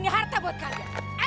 ini harta buat kalian